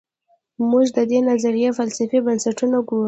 موږ د دې نظریې فلسفي بنسټونه ګورو.